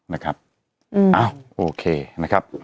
นะครับอ้าวโอเคนะครับ